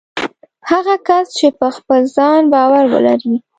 هغه کس چې په خپل ځان باور ولري